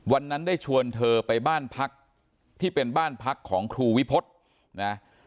วันนั้นได้ชวนเธอไปบ้านพักที่เป็นบ้านพักของครูวิพฤษนะ